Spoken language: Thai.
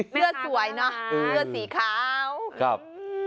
เสื้อสวยเนอะเสื้อสีขาวครับ